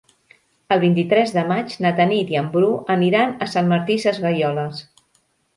El vint-i-tres de maig na Tanit i en Bru aniran a Sant Martí Sesgueioles.